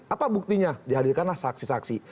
apa buktinya dihadirkanlah saksi saksi